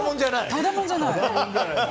ただもんじゃない。